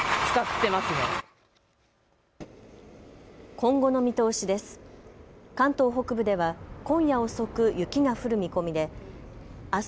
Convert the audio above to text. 今後の見通しです。